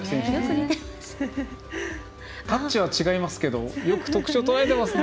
タッチは違いますけどよく特徴をとらえてますね。